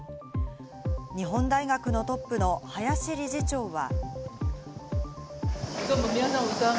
日本大学のトップの林理事長は。